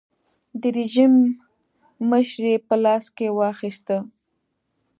د رژیم مشري یې په لاس کې واخیسته.